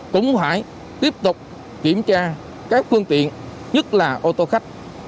cũng phải tiếp tục kiểm tra các phương tiện nhất là ô tô khách